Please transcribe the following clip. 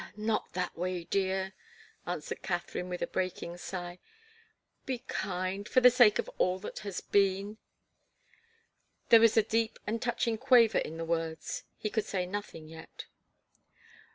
"Ah not that way, dear!" answered Katharine, with a breaking sigh. "Be kind for the sake of all that has been!" There was a deep and touching quaver in the words. He could say nothing yet.